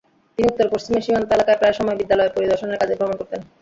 তিনি উত্তর-পশ্চিমের সীমান্ত এলাকায় প্রায় সময় বিদ্যালয় পরিদর্শনের কাজে ভ্রমণ করতেন।